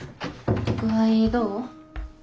具合どう？